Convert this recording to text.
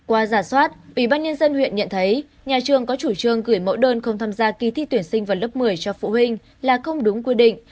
qua giả soát ủy ban nhân dân huyện nhận thấy nhà trường có chủ trương gửi mẫu đơn không tham gia kỳ thi tuyển sinh vào lớp một mươi cho phụ huynh là không đúng quy định